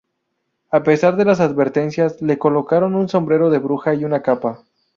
A pesar de las advertencias, le colocaron un sombrero de bruja y una capa.